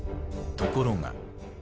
ところが。